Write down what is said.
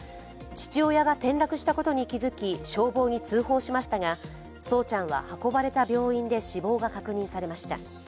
父親が転落したことに気づき、消防に通報しましたが、聡ちゃんは運ばれた病院で死亡が確認されました。